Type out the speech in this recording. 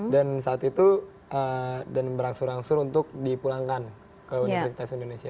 dan saat itu berangsur angsur untuk dipulangkan ke universitas indonesia